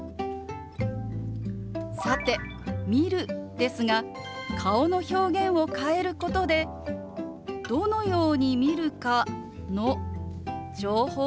さて「見る」ですが顔の表現を変えることでどのように見るかの情報を加えることができるんです。